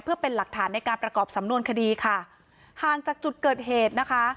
เพื่อเป็นหลักฐานในการประกอบสำนวนคดีค่ะห่างจากจุดเกิดเหตุนะคะ